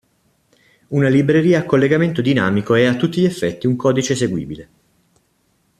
Una libreria a collegamento dinamico è a tutti gli effetti un codice eseguibile.